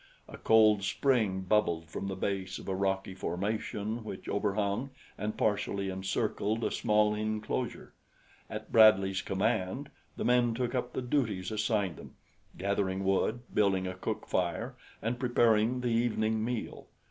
A cold spring bubbled from the base of a rocky formation which overhung and partially encircled a small inclosure. At Bradley's command, the men took up the duties assigned them gathering wood, building a cook fire and preparing the evening meal.